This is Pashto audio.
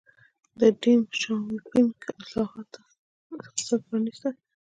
د ډینګ شیاوپینګ اصلاحاتو اقتصاد پرانیسته.